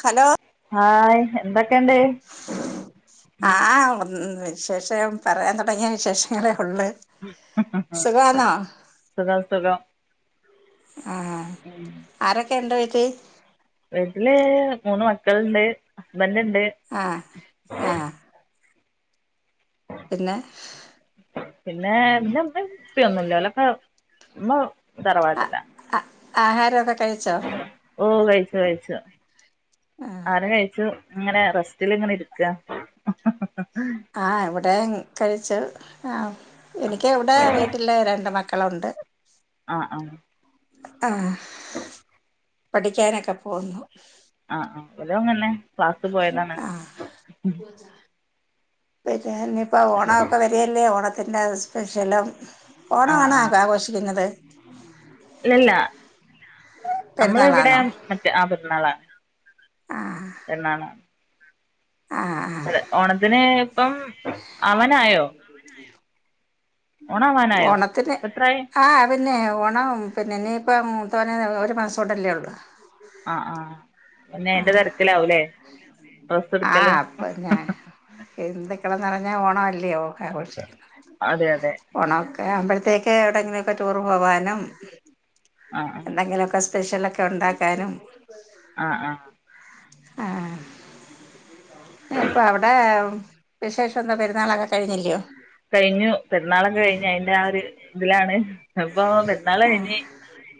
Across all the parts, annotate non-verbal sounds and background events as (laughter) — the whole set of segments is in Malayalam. ഹലോ ഹായ് എന്തൊക്കെയുണ്ട് ആഹ് വിശേഷം പറയാൻ തുടങ്ങിയ വിശേഷങ്ങളേ ഉള്ളൂ സുഖാന്നോ സുഖം സുഖം ആഹ് ഉം ആരൊക്കെ ഉണ്ട്‌ വീട്ടിൽ വീട്ടില് മൂന്ന് മക്കൾണ്ട് ഹസ്ബന്റ്ണ്ട് ആഹ് ആഹ് പിന്നെ പിന്നെ ഇമ്മ ഇപ്പിം ഒന്നുല്ല ഓലൊക്കെ ഇമ്മ തറവാട്ടിലാ അ ആഹാര ഒക്കെ കഴിച്ചോ ഓ കഴിച്ചു കഴിച്ചു ആ ആഹാരം കഴിച്ചു ഇങ്ങനെ റെസ്റ്റിലിങ്ങനെ ഇരിക്ക ആ ഇവിടെയും കഴിച്ചു ആ എനിക്ക് ഇവിടെ വീട്ടില് രണ്ട് മക്കളുണ്ട് ആ ആ ആഹ് പഠിക്കാനൊക്കെ പോവുന്നു ആഹ് ആ ഇവലു അങ്ങനന്നെ ക്ലാസ്സ് പോയതാണ് (unintelligible) പ്പ വരല്ലേ ഓണത്തിന്റെ സ്പെഷ്യലും ആഹ് ഓണാണോ ആഘോഷിക്കുന്നത് ഇല്ല ഇല്ല നമ്മൾ ഇവിടെ പെരുന്നാളാണോ മറ്റേ ആ പെര്ന്നാളാണ് ആഹ് എന്നാണ് ആഹ് അതെ ഓണത്തിന് ഇപ്പം ആ വാ നായോ? ഓണാവാനായോ ഓണത്തിന് ഇപ്പെത്രായി ആ പിന്നെ ഓണം പിന്നെനീപ്പം മുതോന് ഒരു മാസല്ലേ ഉള്ളൂ. ആഹ് ആഹ് പിന്നെഅയ്ന്റെ തെരെക്‌ലാവുംലേ? ആഹ് അപ്പൊ ഞാ (unintelligible) നിറഞ്ഞാ ഓണ അല്ലയോ ആഘോഷിക്കുന്നത്. അതെ അതെ ഓണംമൊക്കെ ആവുംമ്പോഴത്തേക്ക് എവിടെ ങ്കി ലൊക്കെ ടൂറ് പോവാനും ആഹ് ആഹ് എന്തെങ്കിലൊക്കെ സ്പെഷ്യലൊക്കെ ഉണ്ടാക്കാനും ആഹ് ആഹ് ആഹ്. ഇപ്പൊ അവിടെ വിശേഷംന്താ പെരുന്നാളൊക്കെ കഴിഞ്ഞില്യോ? കഴിഞ്ഞു പെരുന്നാളൊക്കെ കഴിഞ്ഞു അയ്ന്റെ ആ ഒരു ഇതിലാണ് ഇപ്പൊ പെരുന്നാള യ്ഞ്ഞ്.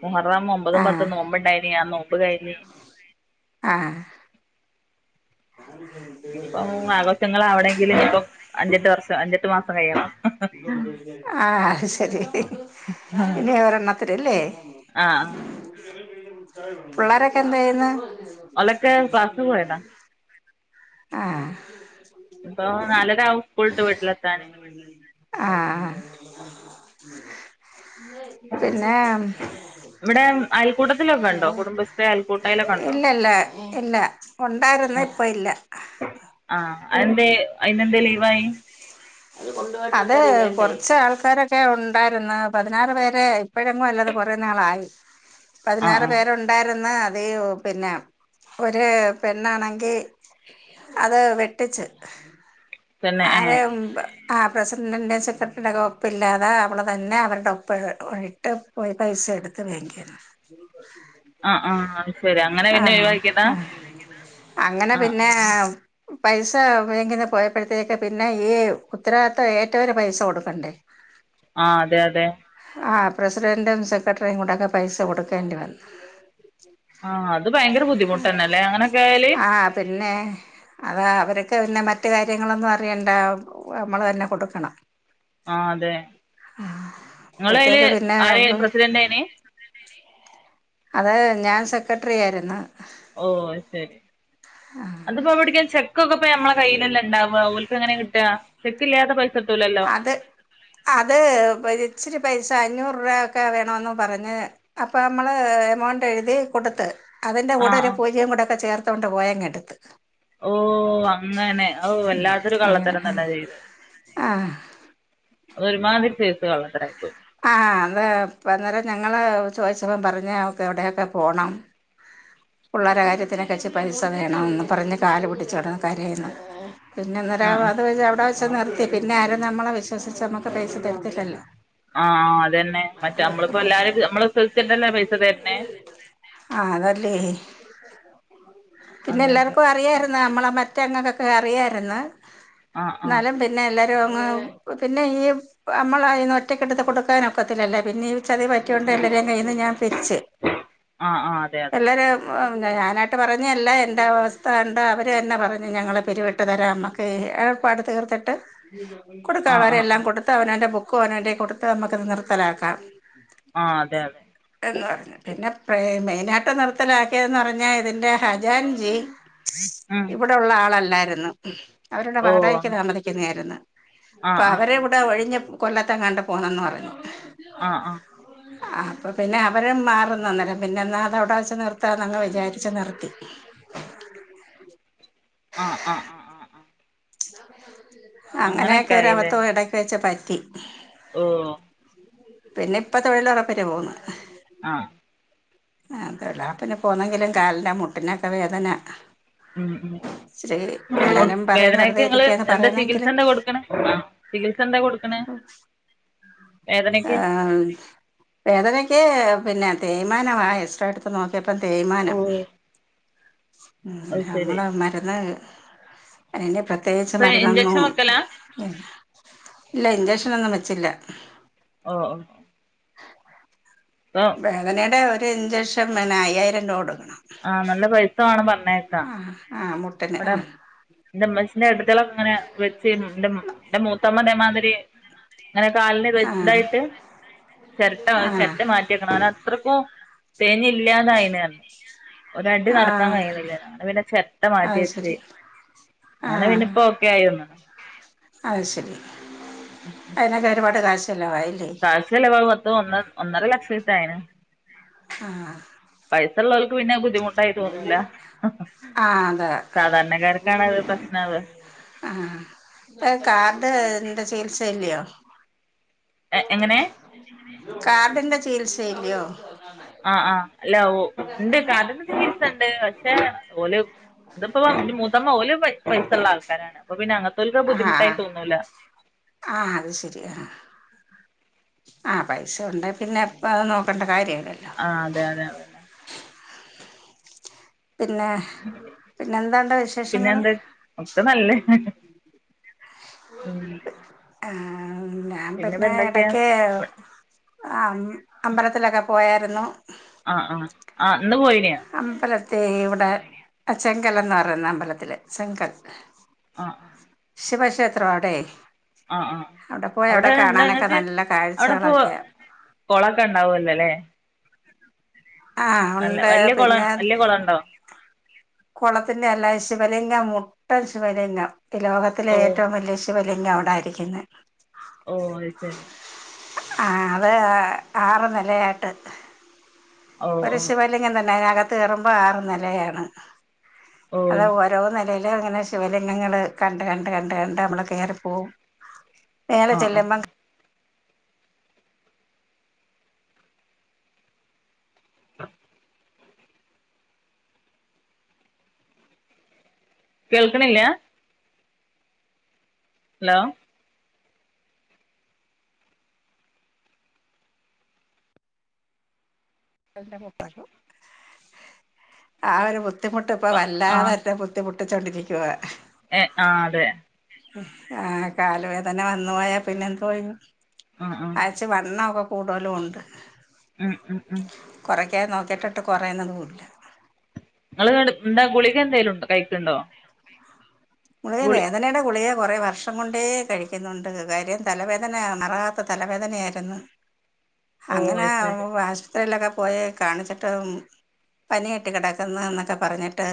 മുഹറം ഒമ്പതും ആ പത്തും നോമ്പ്ണ്ടായീനി ആ നോമ്പ് കഴിഞ്ഞ്. ആഹ്. ഞ (inaudible) ഇപ്പം ആഘോഷങ്ങളാവണെങ്കില് ഇപ്പം അഞ്ചെട്ട് വർഷം അഞ്ചെട്ട് മാസം കയണം. ആ അഹ് ശെരി ആഹ് (unintelligible) ഇല്ലേ? ആഹ്. പിള്ളേരൊക്കെ എന്തയ്യ്ന്ന്? ഓലൊക്കെ ക്ലാസ്സിന് പോയതാ ആഹ്. ഇപ്പോ നാലരാവും സ്കൂൾട്ട് വീട്ടിലെത്താന്. ആഹ്. പിന്നെ? ഇവിടെ അയൽക്കൂട്ടത്തിലൊക്കെ ഉണ്ടോ കുടുംബശ്രീ അയൽക്കൂട്ടയിലൊക്കെ ഉണ്ടോ ഇല്ലല്ല ഇല്ല ഉണ്ടായിര്ന്ന് ഇപ്പല്ല. (inaudible) ആഹ് അഹെന്തേ അയിന്നെന്തേ ലീവായി? അത് കൊർച്ചാൾക്കാരൊക്കെ ഉണ്ടായിരുന്നു പതിനാറ് പേരെ ഇപ്പഴങ്ങും അല്ലാ അത്‌ കുറേ നാളായി ആഹ് പതിനാറ് ആഹ് പേരു ഉണ്ടായിരുന്നു അത് ഒ പിന്നെ ഒരു പെണ്ണാണെങ്കി അത് വെട്ടിച്ച് തന്നെ അത് ഏഹ് ആ പ്രസിഡന്റിന്റെ സെക്രട്ടറിന്റെ ഒക്കെ ഒപ്പ് ഇല്ലാതെ അവള് തന്നെ അവര്ടെ ഒപ്പം ഒഴി എപ്പോയി പൈസ എട്ത്ത് (unintelligible) ആഹ് ആഹ് അത് ശരി അങ്ങനെ പിന്നെ ആഹ് ഒഴിവാക്കിയതാ ആ അങ്ങനെ ആഹ് പിന്നെ ആഹ് പൈസ ബെങ്കിന്ന് പോയപ്പോഴത്തേക്ക് പിന്നെ ഈ ഉത്തരവാദിത്തം ഏറ്റവര് പൈസ കൊടുക്കണ്ടേ? ആഹ് അതെ അതെ. ആ പ്രസിഡൻറും സെക്രട്ടറിയും കൂടൊക്കെ പൈസ കൊടുക്കേണ്ടി വന്നു. ആഹ് അത് ഭയങ്കര ബുദ്ധിമുട്ട് തന്നെല്ലേ അങ്ങനൊക്കെ ആയാല്. ആ പിന്നെ? അത് അവർക്ക് പിന്നെ മറ്റ് കാര്യങ്ങളൊന്നും അറിയണ്ട നമ്മള് തന്നെ കൊട്ക്കണം. ആ അതെ ഇങ്ങള് അയ്ല് ആരെ നി പ്രസിഡന്റേനി? അതെ ഞാൻ സെക്രട്ടറി ആയിര്ന്ന്. ഓ അഹ് ശെരി. അതിപ്പോ അവിടക്കെ ചെക്കൊക്കെ പ്പ നമ്മളെ കയ്യിലെല്ലെണ്ടാവ ഓൽക് എങ്ങനെ കിട്ടാ? ചെക്ക് ഇല്ലാതെ പൈസട്ടുല്ലല്ലോ? അത് അത് ഇച്ചിരി പൈസ അഞ്ഞൂറ് റൂപൊക്കെ വേണന്ന് പറഞ്ഞ് അപ്പൊ അമ്മള് എമൗണ്ട് എഴുതി കൊട്ത്ത് അതിന്റെ കൂടെ ആഹ് ഒരു ആഹ് പൂജ്യം കൂടെ ഒക്കെ ചേർത്തോൊണ്ട് പോയങ്ങെട്ത്ത്. ഓ അങ്ങനെ ഔ വല്ലാത്തൊരു അങ്ങനെ കള്ളത്തരം ആ തന്നെ ചെയ്തെ. ആ ഒരുമാതിരി സൈസ് കള്ളത്തര മായ്പോയ്. ആ അന്താ ഇപ്പ അന്നേരം ഞങ്ങള്ൾ ചോദിച്ചപ്പോ പറഞ്ഞ അവക്ക് എവിടെൊക്കെ പോണം പിള്ളേരെ കാര്യത്തിനെക്കെച്ച് പൈസ വേണമെന്ന് പറഞ്ഞ് കാല് പിടിച്ചുടന്ന് കരയുന്ന പിന്നെന്നരാ ആഹ് ആഹ് അത് വ അവിടെ വെച്ച നിർത്തി പിന്നെ ആരും നമ്മെ വിശ്വസിച്ച് നമുക്ക് പൈസ തരത്തിലല്ലോ ആ ആഹ് അതന്നെ മറ്റേനമ്മളിപ്പോ എല്ലാരും നമ്മള് (unintelligible) വിസുവസിച്ട്ടല്ലേ പൈസ തരന്നെ ആ അതല്ലേ പിന്നെ അതെ അതെ എല്ലർക്കും അറിയ നമ്മലെ മ (unintelligible) അറിയർന്നു ആഹ് ആഹ് ഇന്നാലും പിന്നെ എല്ലരും പിന്നെ ഈ നമ്മളന്ന് ഒറ്റക്കെടുത്ത് കൊടുക്കാനൊക്കത്തില്ലേ പിന്നെ ചതി പറ്റൊണ്ട് എല്ലരെയും കഴിന്ന് ഞാൻ പിരിച്ച് ആഹ് ആഹ് അതെ അതെ എല്ലാരും ഞാനായിട്ട് പറഞ്ഞല്ല എൻ്റെ അവസ്ഥ കണ്ട് അവർ തന്നെ പറഞ്ഞു ഞങ്ങൾ പിറിവിട്ട് തരാം അമ്മ ഏയ് എ (unintelligible) അടു തീർത്തിട്ട് കൊടുക്കുള്ള ആഹ് അവരെ ആഹ് എല്ലാം ആഹ് കൊടുത്ത് അവന്റെ ബുക്കും അവന് കൊടുത്ത് നമുക്ക്ത് നിർത്തലാക്കാം ആ അതെ അതെ എന്ന് പറ പിന്നെേ മെയിനായിട്ട് നിർത്തലാക്കിയതെന്ന് പറഞ്ഞാൽ ഇതിന്റെ ഹജാൻ ജി ഉം ഇവിടെ ഉള്ള ആളല്ലായിരുന്നു അവരുടെ ഓ പാടകക്ക് ആഹ് താമതിക്കുന്നതായിരുന്നു അപ്പൊ ആഹ് അവരെ ഇവിടെ ഒഴിഞ്ഞ കൊല്ലതേങ്ങാണ്ട് പോന്നന്ന് പറഞ്ഞു ആ ആ ഉ (unintelligible) അ അപ്പ പിന്നെ അവരും മാറുന്നന്നല്ലം പിന്നെ എന്നാൽ അത അവിടെ വെച്ച് നിർത്താ എന്നങ്ങ് വിചാരിച്ചു നിർത്തി ആഹ് ആഹ് ആഹ് ആഹ് അങ്ങനെയൊക്കെ അങ്ങനൊക്കെ ആയില്ലേ ഒരബതം ഇടക്ക് വെച് പറ്റി ഓ (inaudible) പിന്നെ ഇപ്പം തൊഴിലുറപ്പര് പോകുന്നു ആഹ് ആ തൊഴിലൊരപ്പിന് പോന്നെങ്കിലും കാലിൻന്റെ മുട്ടിനൊക്കെ വേദന ഉം ഉം ഇച്ചിരി (unintelligible) എല്ലാരും പറയും വേദനക്ക വെറുതെ നിങ്ങള് ഇരിക്കാന്ന് എന്താ ചികിത്സ പറയുന്നെങ്കിലും എന്താ കൊടുക്കണ ചികിത്സ എന്താ കൊടുക്ന്ന് ആഹ് വേദനക്ക് പിന്നെ തേമാന ആ എസ്ട (unintelligible) നോക്കിയപ്പം ഓ തേമാനം അത് ശരി നമ്മള് മരുന്ന് അയിന് പ്രത്യേകിച്ച് ഇപ്പൊ മരുനോന്നും ഇഞ്ചക്ഷൻ വെക്കലാ ഇല്ല ഇഞ്ചക്ഷനൊന്നും വെച്ചില്ല ഓഹ് (unintelligible) വേദനയുടെ ഒരു ഇഞ്ചക്ഷൻ പിന്നെ അയ്യായിരം രൂപ കൊടുക്കണം ആഹ് നല്ല പൈസ വാനം പറഞ്ഞായിരുന്നോ ആ ആ മുട്ട മട ഇന്റെ ഇമ്മച്ചിന്റെ ഏട്ടാത്തികളോകെ ഇങ്ങനെ വെച്ച് മു (unintelligible) ത്തമ്മ മാതിരി അങ്ങനെ ആഹ് കാലിന്തായിട്ട് ചിരട്ട ആഹ് ചിരട്ട മാറ്റി (unintelligible) അത്രയ്ക്കും തേഞ്ഞില്ലാതായിന് ഒരടി നടക്കാൻ ആഹ് കഴിയണില്ലേ അങ്ങനെ പിന്നെ ചെരട്ട മാറ്റി അത് വെച്ച് ശരി അങ്ങനെ പിന്നെ ആഹ് ഇപ്പോ ഒക്കയായോ അത് ശരി (inaudible) അതിനൊക്കെ ഒരുപാട് കാശ് ചെലവായില്ലേ കാശ് ചിലവാകും മൊത്തം ഒ ഒന്നര ലക്ഷം എടുത്തയിന് ആഹ്‌ പൈസ ഉള്ളവർക്ക് പിന്നെ ബുദ്ധിമുട്ടായി തോന്നൂല ആഹ് അതെ സാധാരണക്കാർക്കാണ് അത് പ്രശ്നാവ ആ ഇപ്പ കാർഡ്ന്റെ ചികിത്സല്ലയോ എ എങ്ങനെ കാർഡിന്റെ ചികിത്സല്ലയോ ആഹ് ആ അല്ല ഓ ഒണ്ട് കാ ർഡിന്റെ പക്ഷെ ഓല് ഇതിപ്പോ ന്റെ മൂത്തമ്മ ഓല് പൈസുള്ള ആൾക്കാരാണ് അപ്പ പിന്ന അങ്ങനത്തോരിക്ക് ഒരു ബുദ്ധിമുട്ടായി തോന്നൂല്ല ആ അത് ശരിയാ ആ പൈസ ഒണ്ടെ പിന്നെ അത് നോക്കേണ്ട കാര്യല്ലല്ലോ ആ അതെ അതെ പിന്നെ പിന്നെ എന്താണ്ടോ പിന്നെ വിശേഷങ്ങള് എന്ത് ഒക്കെ നല്ലേ ഉം ആ ഞാൻ പിന്നെപ്പ പിന്നെ എന്തൊക്കെയാ എടക്കേ ആ അമ്പലത്തിലൊക്കെ പോയാരുന്നു ആഹ് ആഹ് ആഹ്‌ ഇന്ന് പോയിനോ അമ്പലത്തി ഇവിടെ ചെങ്കൽന്ന് പറയുന്ന അമ്പലത്തില് ചെങ്കൽ ആഹ് ശിവക്ഷേത്രം അടെയാ ആഹ് ആഹ് അവിടെ പോയി അവിടെ എന്താ കാണാനൊക്കെ ഇങ്ങക്ക് നല്ല അവിടെ പോ കാഴ്ചകളൊക്കെയ കൊളൊക്കെ ഉണ്ടാവുല്ലോല്ലേ ആഹ് ഒണ്ട് വല്യ കുളം പിന്നെ വല്യ കുളം ഉണ്ടോ കുളത്തിന്റെ അല്ലാ ശിവലിംഗ മുട്ടൻ ശിവലിംഗം ഈ ലോകത്തിലെ ഓ ഏറ്റവും വലിയ ശിവ വലിംഗം അവിടായിരിക്കുന്നേ ഓ അയ് ശെരി ആ അത് ആറ് നെലയായിട്ട് ഓ ഒരു ഓ ശിവല്ലിങ്കം തന്നെ അതിനകത്ത് കയറുമ്പോ ആറ് നെലയാണ് ഓ അത് ആ ഒ ഓരോ നിലേലും ഇങ്ങനെ ശിവലിംഗങ്ങൾ കണ്ട് കണ്ട് കണ്ട് കണ്ട് നമ്മള് കേറിപ്പോകും മേലെ ആഹ് ആഹ് ചെല്ലുമ്പോ (inaudible) കേൾക്കണില്ല ഹലോ (unintelligible) ആ ഒരു ബുദ്ധിമുട്ട് ഇപ്പ ആഹ് വല്ലാതെന്റെ ബുദ്ധിമുട്ടിച്ചൊണ്ടിരിക്കുവ ഏ ആ അതെ ആഹ്‌ കാല് വേദന വന്നു പോയാ പിന്നെ എന്തൊയ്യും ആ ആ ആ ഇച്ചി വണ്ണമൊക്കെ കൂടുതലും ഒണ്ട് ഉം ഉം ഉം കൊറയ്ക്കാൻ നോക്കയിട്ടിട്ട് കൊറയണോതുല്ല നിങ്ങള് എന്താ ഗുളിക എന്തേലുംണ്ടോ കഴിക്കുണ്ടോ ഗുളിക വേദനയുടെ ഗുളികായൊ കൊറെ വർഷം കൊണ്ടേ കഴിക്കുന്നുണ്ട് കാര്യം തലവേദനയാ മാറാത്ത തലവേദനയായിരുന്നു ഓ അങ്ങനെ അത് ശരി ആശുപത്രിയിലൊക്കെ പോയി കാണിച്ചിട്ട് പനിയായിട്ട് കിടക്കുന്ന എന്നൊക്കെ പറഞ്ഞിട്ട്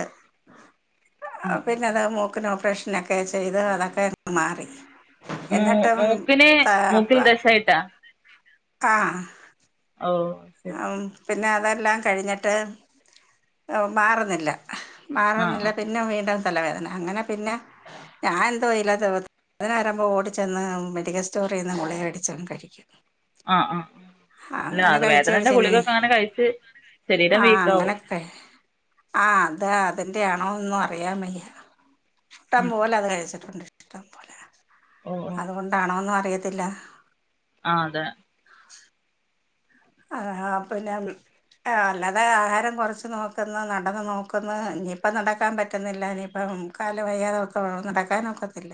ഉം ഉം ഉം. പിന്നെ അത് മൂക്കിന് ഓപ്പറേഷനൊക്കെ ചെയ്ത് അതൊക്കെ മാറി മൂ എന്നിട്ടും മൂക്കിന് താ മൂക്കിൽ പാ ദശായിട്ടാ ആഹ് ഓ ശരി ഉം പിന്നെ അതെല്ലാം കഴിഞ്ഞിട്ട് മാറുന്നില്ല ആഹ് മാറുന്നില്ല ആഹ് പിന്നെ വീണ്ടും തലവേദന അങ്ങനെ പിന്നെ ഞാൻ എന്തോ വല്ലാത്ത വേദന വരുമ്പോ മെഡിക്ക സ്റ്റോറിന്ന് ഗുളിക വെടിച്ചങ് കഴിക്കും ആ ആ ഇല്ല അങ്ങനെ അത് കഴിച്ച് വേദനന്റെ കഴിച്ച് ഇനി ഗുളികൊക്കെ അങ്ങനെ കഴിച്ച് ശരീരം വീക്ക്‌ ആകും ക്കെ അങ്ങനെയൊക്കെ ആ അത് അതിൻന്റെറെ ആണോന്നൊന്നും അറിയാ വയ്യ ഇട്ടം ഉം പോലെ അത് കഴിച്ചിട്ടുണ്ട് ഇഷ്ടം പോലെ അത് ഓ ഓ അതുകൊണ്ടാണോന്നും അറിയത്തില്ല ആഹ് അതെ. ആഹാ പിന്നെം ആഹ് അല്ലാതെ ആഹാരം കുറച്ച് നോക്കുന്നു, നടന്ന് നോക്കുന്ന്, ഇനിയിപ്പ നടക്കാൻ പറ്റുന്നില്ല. ഇനിയിപ്പം കാലിന് വയ്യാതൊക്കെ നടക്കാനൊക്കത്തില്ല.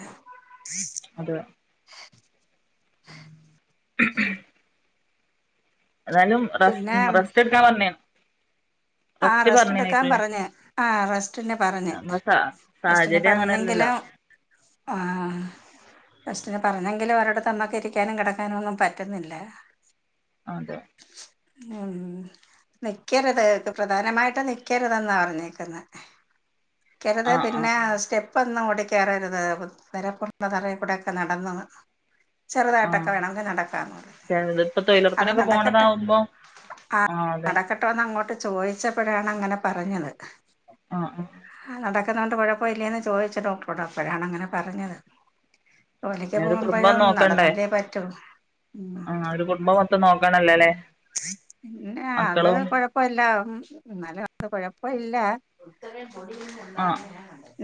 അതെ. ഏതായാലും പിന്നെ റസ് റസ്റ്റ് എടുക്കാൻ പർണ്. ആഹ് റസ്റ്റ് എട്ക്കാൻ പറഞ്ഞ്. ആഹ് റസ് റ്റ്ന് പറഞ്ഞ്, നമ്മളെ സാ റസ്റ്റിന് സാഹചര്യം അങ്ങനെയല്ലല്ലോ പറഞ്ഞെങ്കിലും ആഹ് റസ്റ്റിന് പറഞ്ഞെങ്കിലും ഒരിടത്തമ്മക്ക് ഇരിക്കാനും കെടക്കാനും ഒന്നും പറ്റുന്നില്ല. അതെ. ഉം നിക്കരുത് പ്രധാനമായിട്ടും നിക്കരുതെന്നാ പറഞ്ഞേക്കുന്നെ. ക്ക്യരുത് ആഹ് ആഹ് പിന്നെ സ്റ്റെ പ്പൊന്നും ഓടി കേറരുത്. പൊ വരപ്പുള്ള തറയി കൂടൊക്കെ നടന്ന് ചെറുതായിട്ടൊക്കെ ആഹ് വേണമെങ്കിൽ നടക്കാന്ന് പറയും കേറര്ത്. ഇപ്പൊ അത് തൊഴിലുറപ്പിനൊക്കെ നടക്കട്ടെ പോണതാവുമ്പം ആഹ് അതെ. ട്ടോന്ന് അങ്ങോട്ട് ചോദിച്ചപ്പഴാണ് അങ്ങനെ പറഞ്ഞത്. ആഹ് ആഹ് ആഹ് നടക്കുന്നൊണ്ട് കൊഴപ്പ ഇല്ലേന്ന് ചോദിച്ച് ഡോക്ടറോട് അപ്പഴാണ് അങ്ങനെ പറഞ്ഞത്. ജോലിക്ക് പിന്നെ ഒരു കുടുംബം പോകുമ്പഴും നോക്കണ്ടേ നടന്നല്ലേ പറ്റൂ. ഉം അത് (unintelligible) ത്തം നോക്കണല്ലേ ല്ലേ. പിന്നെ അത് കൊഴ പ്പ ഇല്ലാ. ഉം ഇന്നലെ (unintelligible) കുഴപ്പ ഇല്ല ആഹ്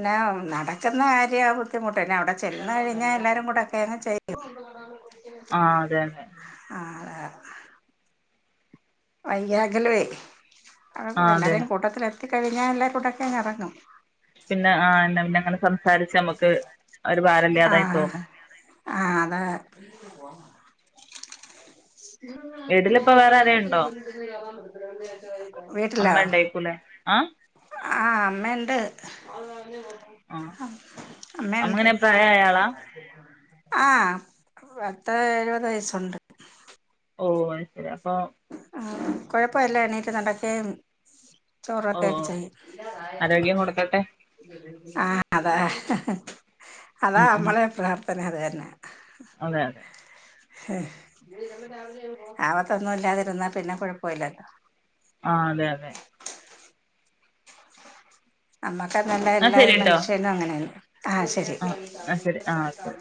ന്നെ നടക്ക്ന്ന കാര്യാ ബുദ്ധിമുട്ട്. പിന്നെ അവിടെ ചെന്ന് കഴിഞ്ഞാ എല്ലാരും കൂടെ ഒക്കെ അങ്ങ് ചെയ്യും. ആ ആഹ് അതെയതെ. ആഹ് (unintelligible) വൈകാകിലുവേ, അഹ് ആഹ് അതെ എല്ലാരേം കൂട്ടത്തിലെത്തിക്കഴിഞ്ഞാ എല്ലാ കൂടൊക്കെ എറങ്ങും. പിന്നെ ആഹ് എന്നാ പിന്നെ അങ്ങനെ സംസാരിച്ച് നമ്മുക്ക് ഒരു ഭാരല്ലാതായി തോന്നും. ആഹ് അതാ വീട്ടിലിപ്പ വേറെ ആരേലും ഉണ്ടോ അമ്മ ഇണ്ടേക്കുലെ. ആഹ്? ആഹ് അമ്മയ്ണ്ട്. ആഹ് അമ്മേ അമ്മ ണ്ട്. എങ്ങനെ പ്രായായ ആളാ ആഹ് പത്ത് എഴുപത് വയസ്സുണ്ട്. ഓഹ് അഹ് ശരി. അപ്പം ആഹ് കൊഴപ്പ ഇല്ല എണീറ്റ് നടക്കയും ചോറു ഓഹ് ഒക്കെയായ്ട്ട് ഓഹ് ചെയ്യും ആരോഗ്യം കൊടുക്കട്ടെ ആഹ് ആഹ് അതാ. അതാ ഉം നമ്മളെം പ്രാർത്ഥന അത് തന്നെ. അതെയതെ. ഹേ ആവത്തൊന്നും ഇല്ലാതിരുന്നാ പിന്നെ കുഴപ്പമില്ലല്ലോ. ആഹ് അതെയതെ അമ്മാക്കന്ത്ണ്ടെ എന്നാ എല്ലാ ശരിട്ടോ മനുഷ്യനും അങ്ങനെണ് ആഹ് ശരി ആഹ് (unintelligible)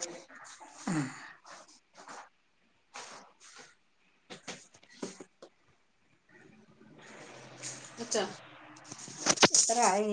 അച്ച (unintelligible)